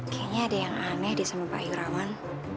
kayaknya ada yang aneh di sama pak irawan